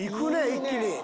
一気に。